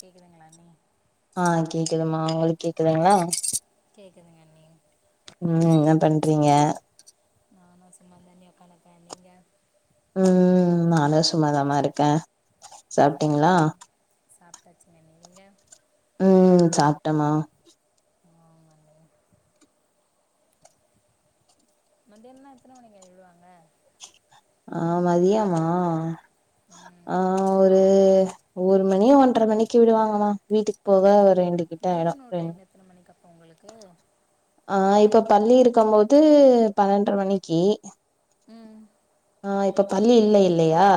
கேக்குதுங்களா அண்ணி ஆ கேக்குதமா உங்களுக்கு கேக்குதுங்களா கேக்குதுங் அண்ணி ம் என்ன பண்றீங்க நானு சும்மா தனியா உட்காந்துருக்க நீங்க ம் நானு சும்மாதான்மா இருக்கே சாப்ட்டீங்களா சாப்ட்டாச்சுங்க நீங்ங்க ம் சாப்ட்டமா ஆ [unintelligible] மந்தியானோன எத்தனை மணிக்கு அண்ணி விடுவாங்க ஆ மதியானோ ஆ ம் ஆ ஒரு ஒரு மணி ஒன்றரை மணிக்கு விடுவாங்கம்மா வீட்டுக் போக ஒரு ரெண்டு கிட்ட ஆயிடு ரெண் எத்தன மணிக்கு அப்போ உங்களுக்கு ஆ இப்ப பள்ளி இருக்கம் போது பண்ணன்ற மணிக்கு ம் ஆ இப்ப பள்ளி இல்ல இல்லையா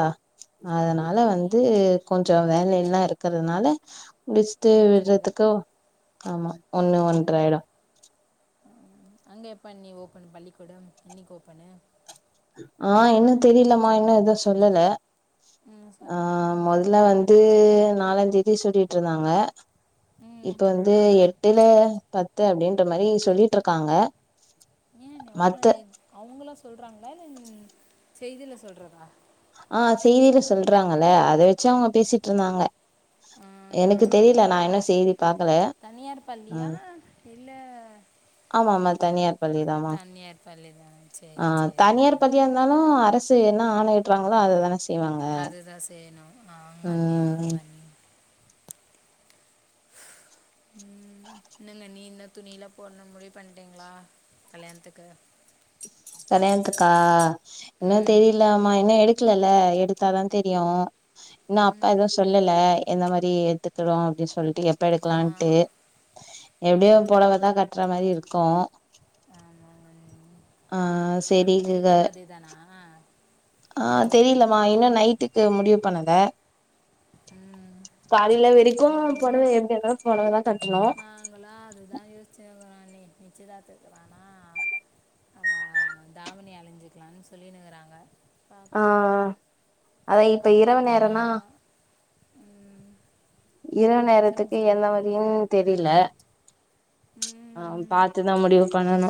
அதனால ஆமாங்க அண்ணி வந்து கொஞ்சோ வேல எல்லா இருக்கறதுனால முடிச்சுட்டு கொஞ்சம் இல்லை விட்றதுக்கு ஆமா ஒண்ணு ஒன்ற ஆயிடு அங்க எப்ப இண்ணி ஓப்பன் பள்ளிக்கூடம் என்னிக்கு ஓப்பனு ஆ இன்னு தெரிலமா இன்னு ஏவு சொல்லல ம் ஆ சொல்லலைங்களா மொதல அண்ணி வந்து நாலாந்தேதி சொல்லிட்ருந்தாங்க ம் இப்ப வந்து எட்டுல பத்து அப்டின்ற மாரி சொல்லிட்ருக்காங்க ம் வ்ளோ நாள் லீவ் அவுங்களா சொல்றாங்களா இல்ல செய்தில சொல்றதா ஆ செய்தில சொல்றாங்கல அத வச்சு அவுங்க பேசிட்ருந்தாங்க ஆஹா எனக்கு தெரில நா இன்னு செய்தி பாக்கல ம் இல்ல ஆமாமா தனியார் பள்ளி தாமா தனியார் பள்ளி தான் ஆ சரி சரிங்க தனியார் அண்ணி பத்தி தாலும் அரசு என்ன ஆணையிட்றாங்களோ அதுதான அது தான் செயணு அவுங்கண்ணி ம் அவுங்கண்ணி ம் என்னங்கண்ணி என்ன துணிலா போட்னு முடிவு பண்ட்டீங்களா கல்யாணத்துக்கு கல்யாணத்துக்கா இன்னு ம் தெரிலாமா இன்னு எடுக்குலல எடுத்தாதா தெரியு இன்னு அப்பா ம் எதுவு சொல்லல எந்த மாரி ஏத்துக்குறோ அப்டி சொல்ட்டு எ ப்ப ஆ எடுக்கலான்ட்டு எப்டியு பொடவதா கட்ற மாரி இருக்கு ஆமாங்கண்ணி அ செரி குக அ இரவுக்கும் தெரிலமா இன்னு நைட்டுக் கு முடிவு பண்ணல ம் காலில வெரிக்கு பொடவ எப்டியிருக்குனு போன தடவா தா கட்டுனோ நாங்களு அது தா யோசிச்சுன்னு இருக்குறோ அண்ணி நிச்சயதாத்துக்கு வேணா ஆ தாவணி அழிஞ்சிக்குலான்னு சொல்லினு குறாங்க ஆ பாக்கணு அதா இப்ப அப்ப இரவு கட்டிங்னா நேரனா ம் இரவு நேரத்துக்கு சார் எந்த வழியுன் தெரியில ஆ பாத்து தா முடிவு பண்ணணு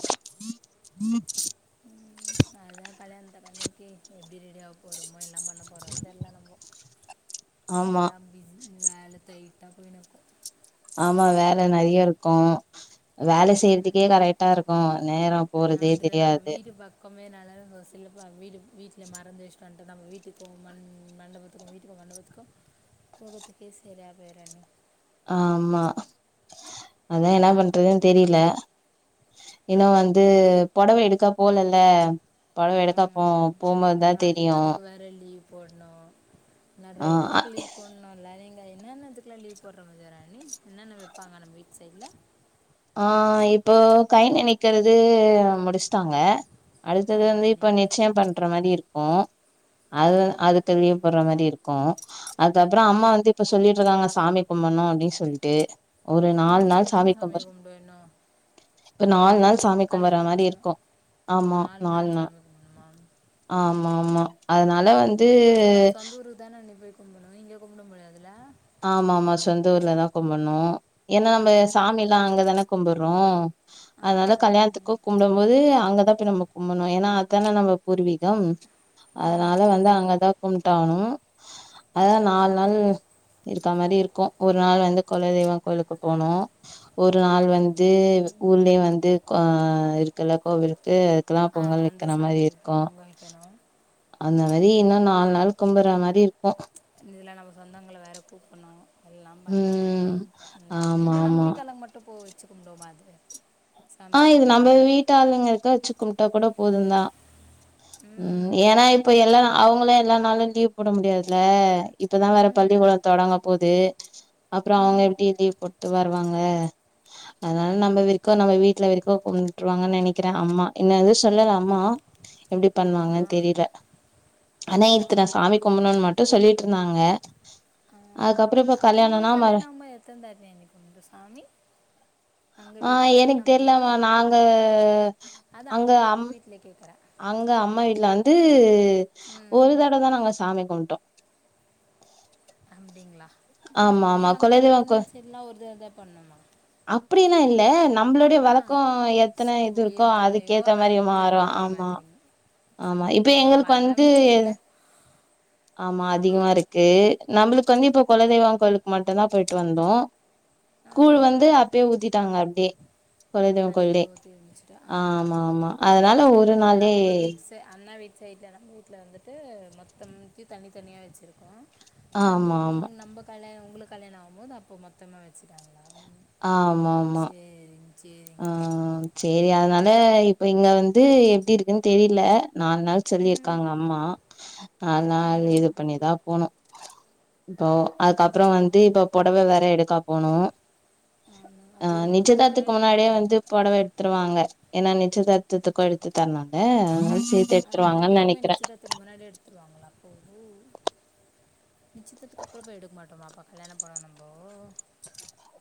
அதா கல்யாணத்த பண்ணிட்டு எப்டி ரெடியாவ போறோமோ எண்ண பண்ண போறாரு தெர்ல நம்ல ஆமா எல்லா பிஸி வேலை டைட்டா போயினுருக் ஆமா வேல நெறைய இருக்கும் வேல செய்யறதுக்கே கரெட்டா இருக்கும் நேரம் லெவன்த்துல நம்ப வீடு பாக் கொம்பே நல்லா இருக்கே பா செல்லுப்பா வீடு வீட்ல மறந்து வச்சுட்டு வன்ட்டேம்ப்பா நம்ம வீட்டுக்கு போவமா மண் மண்டபத்துக்கு வீட்டுக்கு மண்டபத் க்கோ கோபத்துல பேசுற அது பேரு என்ன ஆமா அதா என்னா ம், பண்றதுனு தெரியில எதோ வந்து புடவ எடுக்கா போல இல்ல ஆமாங்க அண்ணி இன்னு நீங்க தெரியு அதுக்கு வேற லீவ் போட்ணு ஆ நெறைய அ எதோக்கு லீவ் போடணுல்ல நீங்க என்னென்னத்துக்லா லீவ் போட்ற மாதிரா நீ என்னென்ன வெப்பாங்க நம்ம வீ்ட் சைட்ல ஆ இப்போ கை நெனக்கறது முடிச்சுட்டாங்க அடுத்தது ஆமாம் வந்து அண்ணி இப்ப நிச்சய பண்ற மாறி இருக்கும் ஆ அது வந் அது க்கு லீவ் போட்ற மாறி இருக்கு அதுக்கப்புறே அம்மா ம் வந்து இப்ப சொல்லிட்ருக்காங்க சாமி கும்புண்ணு அப்டி சொல்ட்டு ஒரு நால் நாள் சாமி கும்பற் வேணு இப்ப நால் நாள் சாமி கும்பற மாறி இருக்கு ஆமா நாலு நால் நாள் நா சாமி கும்பிடணுமா ஆமா ஆமா அதனால வந் அது நம்ம சொந்த ஊருக்கு தான அண்ணி போயி கும்புணு இங்க கும்புட முடியாதுல ஆமா ஆமா சொந்த ஊர்லதா கும்புண்ணு ஏன்னா நம்ப ம், சாமில்லா அங்க தான கும்புறோ ஆ, அதனால கல்யாணத்துக்கு கும்புடும் போது அங்க தா போயி நம்ப கும்புண்ணு ஏன்னா அதான நம்ம பூர்வீகம் அதனால ஆமாங்க வந்து அண்ணி அங்க தா கும்புட்டாவணு அதா நால் ஆ, நாள் இருக்கா மாறி இருக்கு ஒரு நாள் வந்து குலதெய்வ கோயிலுக்கு போனோ ஒரு நாள் வந்து ஆமாங்க அண்ணி. ஊர்லயு வந்து ஆ இருக்குல்ல கோவிலுக்கு கிடா ஆ பொங்கல் அந்த வெக்கிற மாறி சமையலுக்கு இருக்கும் பங்களிக்கணும் அந்த மாறி இன்னு ம், நால் நாள் கும்புற மாறி இருக்கும் இதில நம்ம சொந்தங்கள வேற கூப்பணு எல்லா பண்ணணு ம் இல்ல ஆமா நீங்களு நம்ம ஆமா வீட்டாலுங்க மட்டு ட்டு போ வச்சு கும்புடுவோ மாத்ர ஆ இது நம்ம வீட்டாளுங்க வெச்சு கும்பிட்டா கூட போது தா ம் ஏன்னா இப்ப எல்லா அவங்களூ எல்லா நாளூ லீவ் போட முடியாதில்ல இப்ப தா வேற ம் பள்ளிக்கூட தொடங்க போது அப்றோ அவுங்க ம் எப்டி லீவ் போ ட்டு வருவாங்க அதனால நம்ப அதுவரைக்கு நம்ப வீ ட்டுல வரைக்கு கொன்று வாங்கன்னு நெனைக்கிறே ஆமா இன்னு எது சொல்லல அம்மா எப்டி பண்ணு ஆ வாங்கன்னு தெரியில ஆனா ஆ இதுக்கு நா சாமி கும்புணும்னு மட்டும் சொல்லிருந்தாங்க ஆ. அதுக்கப்புறோ பாத் உங்களுக்கு கல்யாணம் ஆயி எத்தன தாட்டி நீ குந்து சாமி அங்க வீட்டுல நா தெர்ல மா நாங்க அங்க அம் இல்ல கேக்கற அங்க அம்மா வீட்ல வந்து ஒரு ம் தடவ தா நாங்க சாமி கும்புடோ அப்புடிங்களா ஆமா ஏ ஆமா நம்ப குலதெய்வ பொண்ணு வீட் சைட்லா ஒரு தடவ தா பண்ணுமா அப்புடிலா இல்ல நம்புளுடைய ஆ வழக்கோ எத்தன ஓ இது இருக்கோ எத்தனையோ அதுக்கேத்த மாறியே அத்தனை மாறும் கும்பல் ஆமா மாதிரிங்க ஆமா சரி இப்ப ஓ நம்ம எங்களுக்கு அண்ணா வந்து வீட்டு சைடில் ஆமா அதிகமாருக்கு நம்பளுக்கு வந்து இப்ப கொலதெய்வோ கோயிலுக்கு மட்டுதா போயிட்டு வந்தோ கூழ் வந்து ஆமாங்க அப்பயே ஊத்திட்டாங்க அப்டே கொலதெய்வோ அன்றைக்கி கோயிலயே ஊற்றி இருந்துச்சுட்டு ஆ ஆமா ஆமா அதனால ஓ ஒரு இங்கே நாளே நம்ம வீட்டு அண்ணா வீட் சைடில நம்மூட்ல வந்துட்டு மொத்தம்தையு தனி தனியா வச்சுருக்கோ நம்ப ஆமா உ ஆமா நம்ப கல்யாண உங்களுக்கு கல்யாணோ ஆகும் போது அப்ப மொத்தமா வச்சுட்டாங்களா உ ஆமா ஆமா சேரிங் சேரி ஆ சேரி அதனால இப்ப இங்க வந்து எப்டி இருக்குன்னு தெரியில நாலு நாள் ம் சொல்லியிருக்காங்க அம்மா நாலு நாள் ம் இது பண்ணிதா போனு இப்போ அதுக்கப்புறோ வந்து இப்ப பொடவ வேற எடுக்க போனு ஆமாம் ஆ அது ரொம்ப தூரோ தானே நிச்சயதார்த்துக்கு முன்னாடியே போகணும் வந்து பொடவ எடுத்துருவாங்க ஏன்னா நிச்சயதார்த்தத்துக்கு எடுத்து தரணும் ல அதனால ரெண்டுத்துக்குமே நிச்சயதார்த்ததுக்கு முன்னாடியே எடுத்துருவாங்களா அப்போ நிச்சயத்துக்கு அப்றோ போய் எடுக்க மாட்டோமா அப்போ கல்யாண பொடவ நம்போ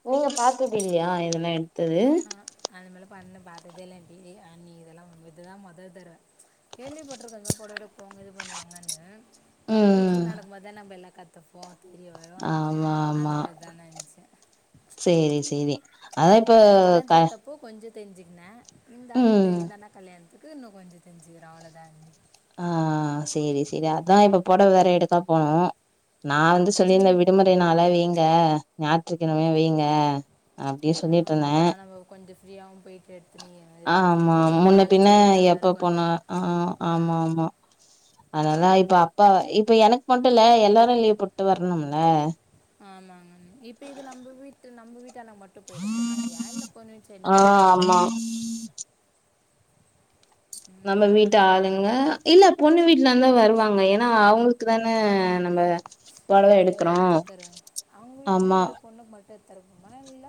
நீங்க பாத்ததுல்லயா இதுமாரி ஆஹ அந்த மார்லா பண்ண பார்த்ததே இல்ல ஆண்டி அண்ணி இதெல்லா இதுதா மொதல் தடவ கேள்விபட்ருக்கேங்க பொடவ எடுக்கபோவாங்க இது பண்ணுவாங்கன்னு நம்ம ம் வீட்டுல நடக்கு போதுதா நம்ம எல்லா கத் ஃபோர்ட்டி வரு ஆமா அந்த ஆமா மாதிரி தானே நெனச்சே சேரி சேரி அதா இப்ப க இப்போ கொஞ்சோ தெரிஞ்சுக்கின்ன இந்த அந்த ம் இந்த அண்ணா கல்யாணத்துக்கு இன்னு கொஞ்சோ தெஞ்சிக்கிறே அவ்ளோதா அண்ணி ஆ சேரி சேரி அதா இப்ப பொடவ வேற எடுக்கா போனு நா வந்து சொல்லிருந்த ம் விடுமுற லீவ் நாளா வைங்க ஞாயிற்று கெளமையே வைங்க அப்டியே சொல்லிட்டு ம் இருந்தே அப்போனா நம்ப கொஞ்ச ஃப்ரீயாவு போய்டு ஆமா முன்ன பின்ன இல்லாமல் எப்ப போனா இருக்குன்றீங்க ஆ ஆமா ஆமா அதனால இப்ப அப்பா இப்ப எனக்கு மட்டு இல்ல எல்லாரு லீவ் போட்டு வர்ணும்ல ஆமாங்க இப்ப இது நம்ப வீட்டு நம்ப வீட்டாலுங்க மட் டு போய் எடுக்குற மாரியா இல்ல பொண்ணு வீட்டு ஆ சைட்லருந்து வருவாங்கலா ஆமா நம்ம ம் வீட்டு சரிங்க ஆளுங்க இல்ல பொண்ணு வீட்டுலருந்து வருவாங்க ஏன்னா அவங்க க்கு தானே நம்ம பொடவ ஓ எடுக்கிறோ எடுத்து ஆமா தெறக்குமா இல்ல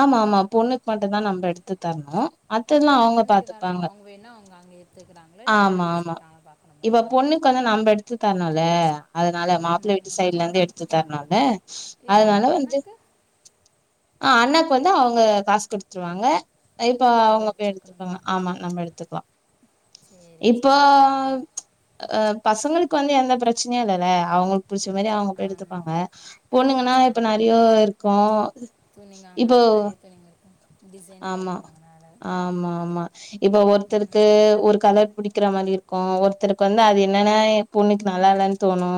ஆமா ஆமா பொண்ணுக்கு மட்டுதா நம்ப எடுத்து தர்ணு மத்ததுல்லா அவுங்க பொண்ணு வீட்டுக்காரங்க பாத்துப்பாங்க அவங்க வேணா அவங்க அங்கே எடுத்துக்கிறாங்களோ இல்லை வேற ஆமா எங்கேயும் ஆமா எடுத்துக்கிறாங்களா பார்க்கணுமா இப்ப பொண்ணு கு வந்து நம்ப எடுத்து தரணுல அதனால மாப்ள ஆமாங்க வீட்டு சைட்ல இருந்து எடுத்து தரனுல இப்போ அதனால நம்ம வந்து அண்ணாக்கு ஆ அண்ணாக்கு வந்து அவங்க காசு குடுத்துடுவாங்க இப்ப நம்ம அவுங்க போய் எடுத்துக்கணுமா எடுத்துப்பாங்க ஆமா நம்ப எடுத்துக்லா சரி இப்போ சரிங்க அ பசங்களுக்கு வந்து எந்த பிரச்சனையு இல்லல அவுங்ளு புடிச்ச மாரி அவுங்க போய் ஆமாம் எடுத்துப்பாங்க பொண்ணுங்னா ஆமாம் இப்ப ஆமாம் நறையோ இருக்கோ துணிங்க ஆமாம் இப்போ நிறைய துணிங்க இருக்கும் டிசைனுங்க ஆமா இருக்கும் உங்களால் ஆமா ஆமா இப்ப ஒருத்தருக்கு ஒரு கலர் புடிக்கிற மாரி இருக்கோ ஒருத்தருக்கு வந்து அது என்னெனா பொண்ணுக்கு நல்லா இல்லன் தோணு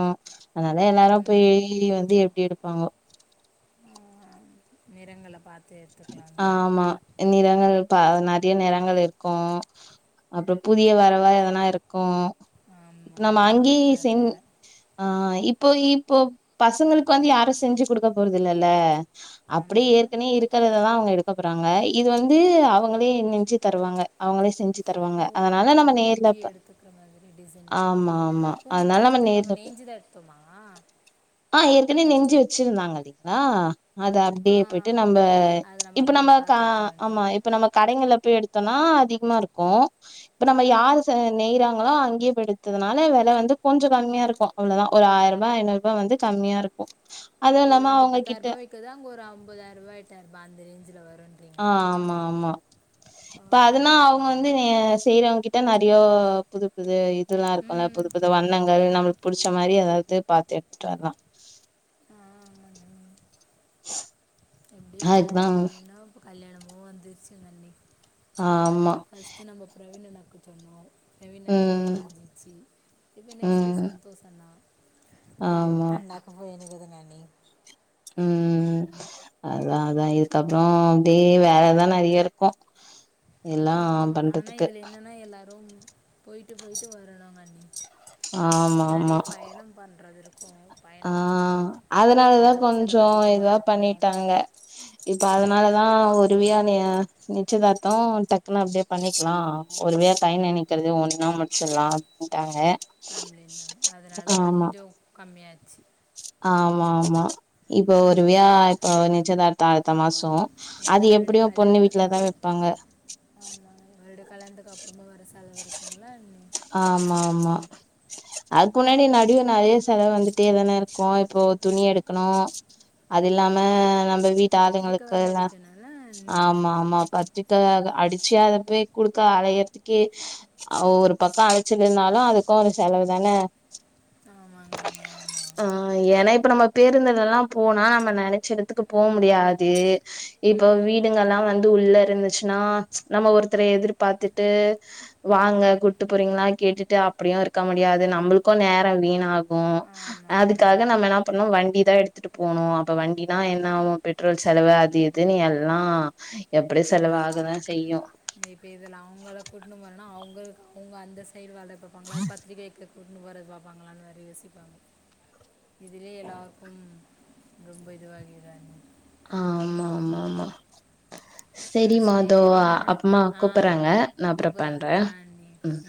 அதனால எல்லாரு போய் வந்து எப்டி எடுப்பாங்கோ ஆ நிறங்கள பாத் ஆமா நிறங்கள் பா நெறய நிறங்கள் இருக்கோ அப்றோ புதிய வரவா எதுனா இருக்கு இப்ப ஆமாங்க நம்ப அங்கியே சென் அதனால் ஆ இப்போ இப்போ பசங்ளுக்கு வந்து யாரு செஞ்சு குடுக்க போறதுஇல்லல அப்டியே ஆமாம் ஏற்கன இருக் கறததா அவுங்க எடுக்க போறாங்க இது வந்து அவங்களே நெஞ்சு தருவாங்க அவுங்களே செஞ்சு தருவாங்க ஓ அதனால நம்பளே நம்ம நேர்ல நெய்ஞ்சி ப எடுத்துக்குறா மாதிரி டிசைனிங் ஆமா ஆமா அப்ப உங்க அதனால கல்யாணத்து நேர்ல நம்ம போய் நெய்ஞ்சுதா எ த்தோமா ஆ ஏற்கனவே நெய்ஞ்சு வெச்சிருந்தாங்க [unintelligible] ங்ளா அது ஆ அப்டியே போயிட்டு நம் ம அது இப்ப அப்படியே நம்ம க பார்த்து எடுத்துன்னு ஆமா வந்துட்டோம் இப்ப நம்ம கடைங்கள்ல போய் எடுத்தோனா அதிகமா இருக்கு இப்ப நம்ம ம் யாரு ச நெய்றாங் களோ அங்கியேப் போய் எடுத்ததுனால வெல வந்து கொஞ்சோ கம்மியா இருக்கு அவ்ளோதா ஒரு ஆயிரூபா ஐநூரூபா வந்து கம்மியா இருக்கு அதுவு ஓ இல்லாம இங்க அவங்க கிட்ட பத்தாயிரூபா விக்கர்து அங்க ஒரு அம்பதாயிரூபா எட்டாயிரூபா அந்த ரேஞ்ஜில வரு ஆ ஆமா ஆமா இப்ப ஓகே அதுனா அவுங்க ஓகேங்க வந்து நெ செய்றவுங்க கிட்ட நறியோ புது புது இதுல்லா இருக் குல்ல ம் புது புது வண்ணங்கள் நம்ளுக்கு புடிச்ச மாரி ஏதாவது பாத்துஎடுத்துட்டு வர்லா ஆ ஆமாங்கே எப்டி அதுக்குதா கல்யாண கல்யாணோ இப்ப கல்யாணமு வந்துருச்சுங்க அண்ணி ஆமா ஃபஸ்ட்டு நம்ம பிரவீன் அண்ணாக்கு சொன்னோ பிரவீன் அண்ணாந்து ம் முஞ்சிச்சி இப்ப நெக்ஸ்ட்டு ம் சந்தோஷ் அண்ணா அய்யோ ஆமா அண்ணாக்கோ இப்ப எனுக்கோதானே அண்ணி ம் அதா அதா இதுக்கப்றோ அப்டே வேலதா நறைய இருக்கு எல்லா ஆமா ஆனா பண்றதுக்கு இதுல என்னனா எல்லாரும் போயிட்டு போயிட்டு வரணுங்அண்ணி ஆமா நறைய ஆமா பயணம் பண்றது இருக் கு ஆ பயணம் பண்ணனு அதனாலதா வரவு செலவு கொஞ்சோ அதிகமா இதுவா இருக்கு பண்ணிட்டாங்க இப்ப அதனாலதா ஒருவியா நீ நிச்சயதார்த்தோ டக்குனு அப்டியே பண்ணிக்லா ஒருவேய கை நனைக்கற்து ஒண்னா முடிச்சில்லா அப்டின்ட்டாங்க அப்டின்னாங்க அதனால ஆமா கொஞ்சோ கம்மியாச்சு ஆமா ஆமா இப்போ ஒரு வியா இப்ப நிச்சயதார்த்தோ அடுத்த மாசோ இப்போ அது எப்டியு மறுபடியும் பொண்ணு வீட்லதா வைப்பாங்க ஆமா ரெடு கல்யாணத்துக்கு அப்றமு வேர செலவு இருக்குங்ல்ல அண்ணி ஆமா ஆமா அதுக்முன்னாடி நடுவ நறைய செலவு வந்துட்டேதான இருக்கு இப்போ துணி எடுக்கணு அது இல்லாம நம்ம வீட்டு பத்திரிக்கை வேறு ஆளுங்களுக்குல்ல அடிக்கணும்ல அண்ணி ஆமா ஆமா பத் ரிக்க அக அடிச்சி அதப்போய் குடுக்க அலையற்துக்கே ஓர் பக்கோ அலச்சலுன்னாலோ அதுக்கு ஒரு செலவு தான ஆமாங்கண்ணி ஆமா ஏனா இப்ப நம்ம பேருந்துலலா போனா நம்ம நெனச்ச எடத்துக்கு போ முடியாது இப்ப ம் வீடுங்கல்லா வந்து உள்ள இருந்துச் னா நம்ம ஒருத்தர எதிர்பார்த்துட்டு வாங்க கூட் டு போறீங்ளா கேட்டுட்டு அப்டியு இருக்க முடியாது நம்பளுக்கு நேரோ வீணாகு ஆமாங்க அதுக்கா அண்ணி கு நம்ம என்ன பண்ணு வண்டி தா எடுத்துட்டு போனு அப்ப வண்டின்ன என்ன ஆகு பெட்ரோல் செலவு அது இ துனு எல்லா எப்படி செலவாகதா செய்யு இப்ப இதுல அவுங்கள கூட்டினு வரனா அவுங்களுக்கு அவுங்க அந்த சைடு வேலப்பாப்பாங்களா பத்திரிக்கை கூட்டுன்னு போறது பாப்பாங்களான்னு வேற யோசிப்பாங்க இதுலே எல்லோருக்கு ரொம்ப இதுவாகிறாங்க ஆமா ஆமா ஆமா செரிம்மா தோ அ சரிங்க அண்ணி அம்மா ஆ கூப்ட்றாங்க நா அப்பறோ கூப்பிட்றாங்க பண்றே ஆ அண்ணி ம்